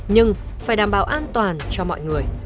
nhưng phải đảm bảo an toàn cho mọi người